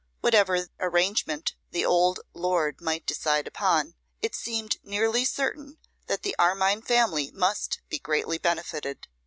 Whatever arrangement the old lord might decide upon, it seemed nearly certain that the Armine family must be greatly benefited.